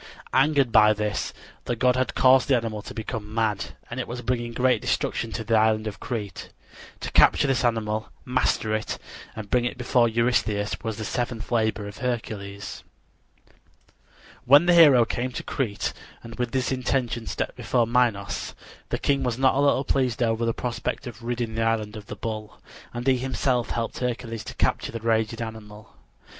Angered by this, the god had caused the animal to become mad, and it was bringing great destruction to the island of Crete. To capture this animal, master it, and bring it before Eurystheus, was the seventh labor of Hercules. When the hero came to Crete and with this intention stepped before Minos, the king was not a little pleased over the prospect of ridding the island of the bull, and he himself helped Hercules to capture the raging animal.